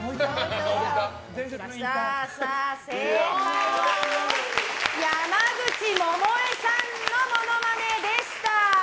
正解は山口百恵さんのモノマネでした。